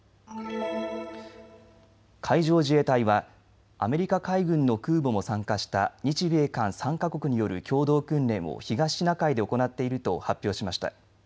海上自衛隊はアメリカ海軍の空母も参加した日米韓３か国による共同訓練を東シナ海で行っていると発表しました。